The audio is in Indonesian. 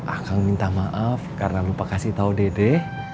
akang minta maaf karena lupa kasih tau dede